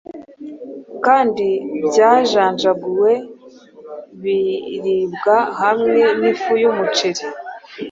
kandi byajanjaguwe biribwa hamwe nifu yumuceri